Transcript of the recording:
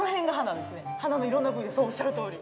おっしゃるとおり。